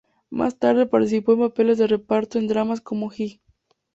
Más tarde participó en papeles de reparto en dramas como Hi!